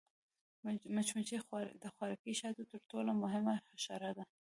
مچمچۍ د خوراکي شاتو تر ټولو مهمه حشره ده